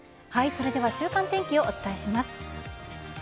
それでは週間天気をお伝えします。